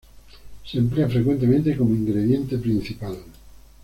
Se emplea frecuentemente como ingrediente principal.